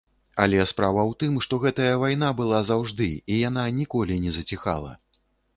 Але справа ў тым, што гэтая вайна была заўжды і яна ніколі не заціхала.